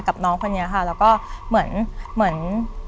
กับน้องคนนี้ค่ะแล้วก็เหมือน